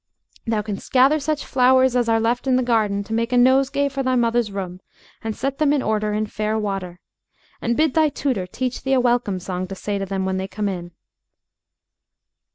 "Thou canst gather such flowers as are left in the garden to make a nosegay for thy mother's room; and set them in order in fair water. And bid thy tutor teach thee a welcome song to say to them when they come in."